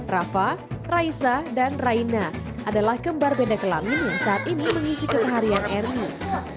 rafa raisa dan raina adalah kembar beda kelamin yang saat ini mengisi keseharian ernie